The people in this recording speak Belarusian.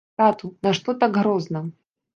Тату, нашто так грозна!